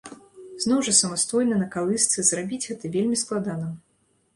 Зноў жа самастойна на калысцы зрабіць гэта вельмі складана.